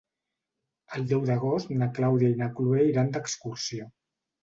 El deu d'agost na Clàudia i na Cloè iran d'excursió.